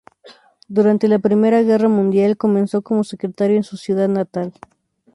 Durante la Primera Guerra Mundial comenzó como secretario en su ciudad natal.